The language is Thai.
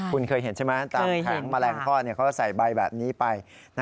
คุณเคยเห็นใช่ไหมตามแผงแมลงทอดเขาก็ใส่ใบแบบนี้ไป